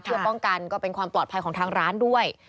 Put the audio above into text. เพื่อป้องกันก็เป็นความปลอดภัยของทางร้านด้วย